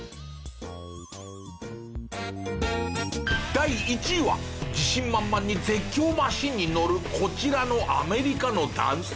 第１位は自信満々に絶叫マシンに乗るこちらのアメリカの男性。